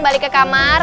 balik ke kamar